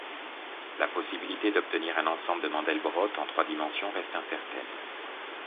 La possibilité d'obtenir un ensemble de Mandelbrot en trois dimensions reste incertaine.